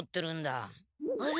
あれ？